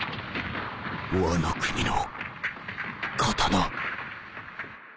ワノ国の刀